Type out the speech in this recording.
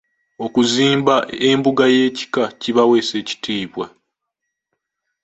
Okuzimba embuga y’ekika kibaweesa ekitiibwa.